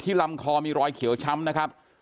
ลำคอมีรอยเขียวช้ำนะครับ